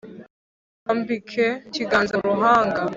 Ayirambike ikiganza mu ruhanga